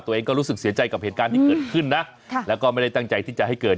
ตัวเองก็รู้สึกเสียใจกับเหตุการณ์ที่เกิดขึ้นนะแล้วก็ไม่ได้ตั้งใจที่จะให้เกิด